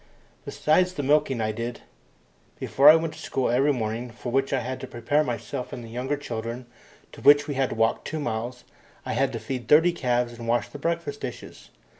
Besides the milking I did, before I went to school every morning, for which I had to prepare myself and the younger children, and to which we had to walk two miles. I had to feed thirty calves and wash the breakfast dishes.